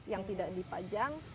yang tidak dipajang